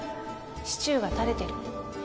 シチューが垂れてる